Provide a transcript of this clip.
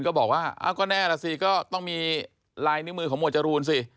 ก็บอกว่าอ้าวก็แน่ล่ะสิก็ต้องมีลายนิ้วมือของหมวดจรูนสิ